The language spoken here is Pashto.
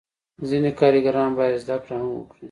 ځینې کارګران باید زده کړه هم وکړي.